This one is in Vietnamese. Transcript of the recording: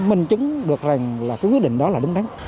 minh chứng được rằng là cái quyết định đó là đúng đắn